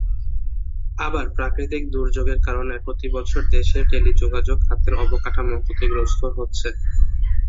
আবার প্রাকৃতিক দুর্যোগের কারণে প্রতিবছর দেশের টেলিযোগাযোগ খাতের অবকাঠামো ক্ষতিগ্রস্ত হচ্ছে।